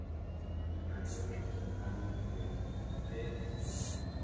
El campeón del Certamen fue The Strongest.